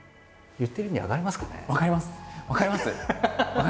言ってる意味分かります？